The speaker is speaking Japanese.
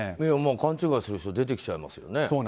勘違いする人出てきちゃいますよね。